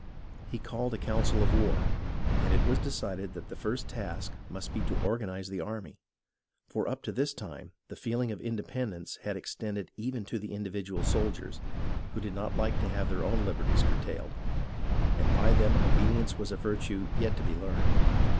He called a council of war, and it was decided that the first task must be to orga nize the army, for up to this time the feeling of indepen dence had extended even to the individual soldiers, who did not like to have their own liberties curtailed, and by them obedience was a virtue yet to be learned.